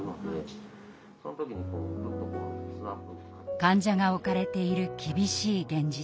患者が置かれている厳しい現実。